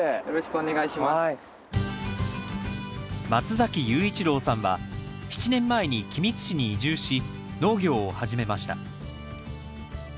松崎裕一郎さんは７年前に君津市に移住し農業を始めました。